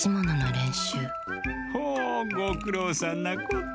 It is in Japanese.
ほうごくろうさんなこって。